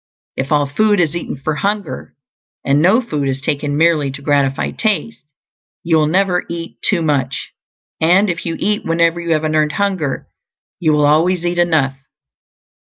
If ALL food is eaten for hunger, and NO food is taken merely to gratify taste, you will never eat too much; and if you eat whenever you have an EARNED hunger, you will always eat enough.